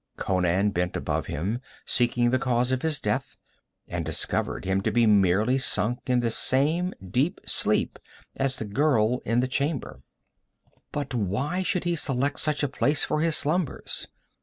Conan bent above him, seeking the cause of his death, and discovered him to be merely sunk in the same deep sleep as the girl in the chamber. But why should he select such a place for his slumbers?